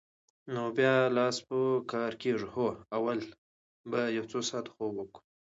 نو بیا لاس په کار کېږو؟ هو، اول به یو څو ساعته خوب وکړو.